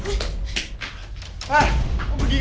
udah kok malem